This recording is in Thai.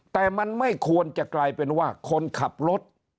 แต่มันไม่ควรจะกลายเป็นว่าคนขับรถ